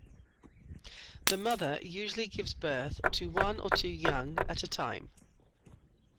The mother usually gives birth to one or two young at a time.